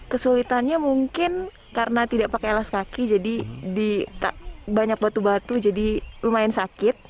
kesulitannya mungkin karena tidak pakai alas kaki jadi banyak batu batu jadi lumayan sakit